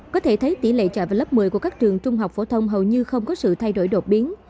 có thể thấy tỷ lệ trọi vào lớp một mươi của các trường trung học phổ thông hầu như không có sự thay đổi đột biến